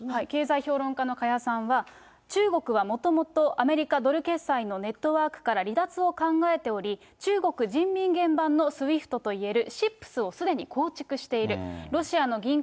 経済評論家の加谷さんは、中国はもともとアメリカドル決済のネットワークから離脱を考えており、中国人民元版のＳＷＩＦＴといえるＣＩＰＳをすでに構築している。